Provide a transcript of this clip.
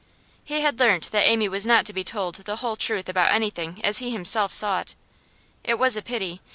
He had learnt that Amy was not to be told the whole truth about anything as he himself saw it. It was a pity.